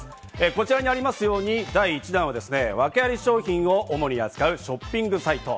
こちらにありますように第１弾はワケアリ商品を主に扱うショッピングサイト。